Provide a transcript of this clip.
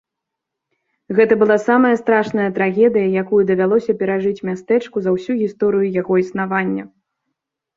Гэта была самая страшная трагедыя, якую давялося перажыць мястэчку за ўсю гісторыю яго існавання.